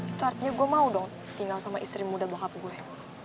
itu artinya gue mau dong tinggal sama istri muda bapak gue